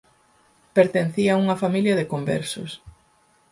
Pertencía a unha familia de conversos.